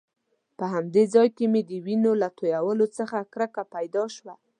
په همدې ځای کې مې د وینو له تويولو څخه کرکه پیدا شوه.